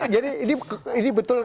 jadi ini betul